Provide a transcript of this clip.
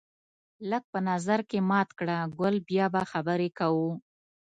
لږ په نظر کې مات کړه ګل بیا به خبرې کوو